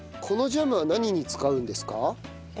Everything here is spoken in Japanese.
このジャムは何に使うんですか？